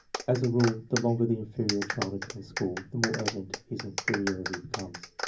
As a rule, the longer the inferior child attends school, the more evident his inferi ority becomes.